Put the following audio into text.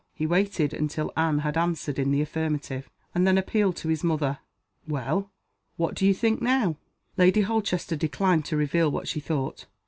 He waited until Anne had answered in the affirmative, and then appealed to his mother. "Well? what do you think now?" Lady Holchester declined to reveal what she thought.